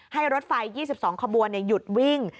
ให้รถไฟ๒๒ขบวนหยุดวิ่ง